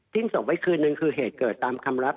ศพไว้คืนนึงคือเหตุเกิดตามคำลับ